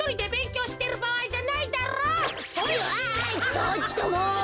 ちょっともう！